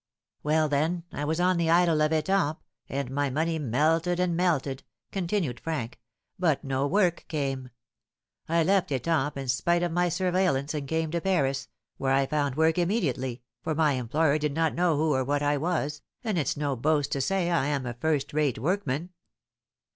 "Well, then, I was on the idle of Etampes, and my money melted and melted," continued Frank, "but no work came. I left Etampes, in spite of my surveillance, and came to Paris, where I found work immediately, for my employer did not know who or what I was, and it's no boast to say I am a first rate workman.